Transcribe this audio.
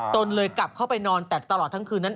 เลยกลับเข้าไปนอนแต่ตลอดทั้งคืนนั้น